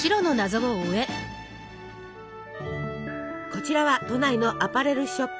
こちらは都内のアパレルショップ。